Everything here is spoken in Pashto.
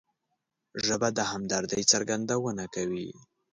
ژبه د همدردۍ څرګندونه کوي